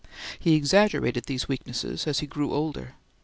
He exaggerated these weaknesses as he grew older.